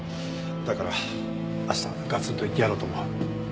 だから明日ガツンと言ってやろうと思う。